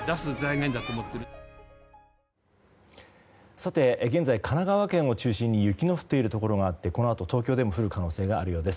さて、現在神奈川県を中心に雪の降っているところがあってこのあと東京でも降る可能性があるようです。